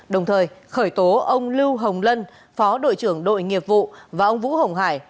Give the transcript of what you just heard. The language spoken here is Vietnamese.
đồng thời khởi tố ông lưu hồng lân phó đội trưởng đội nghiệp vụ và ông vũ hồng hải